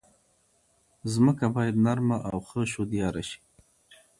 ځمکه باید نرمه او ښه شدیاره شي.